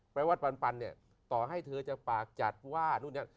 แปลว่าปันเนี่ยต่อให้เธอจะปากจัดว่านู่นนี่